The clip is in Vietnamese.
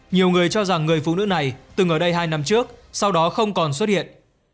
nhiều người cho rằng người phụ nữ này từng ở đây hai năm trước sau đó không còn xuất hiện